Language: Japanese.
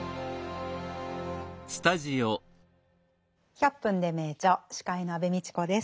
「１００分ｄｅ名著」司会の安部みちこです。